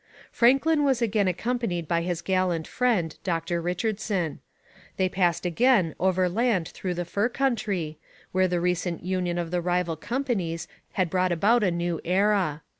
Franklin was again accompanied by his gallant friend, Dr Richardson. They passed again overland through the fur country, where the recent union of the rival companies had brought about a new era.